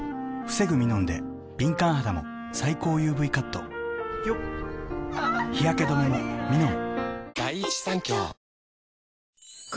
防ぐミノンで敏感肌も最高ＵＶカット日焼け止めもミノン！